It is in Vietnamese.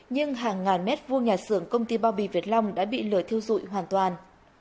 nhưng hàng ngàn mét vuông nhà xưởng công ty bao bì việt long đã bị lửa thiêu dụi hoàn toàn